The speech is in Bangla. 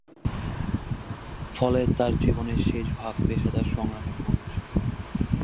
ফলে তার জীবনের শেষভাগ পেশাদার সংগ্রামে পূর্ণ ছিল।